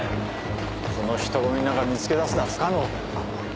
この人混みの中見つけ出すのは不可能。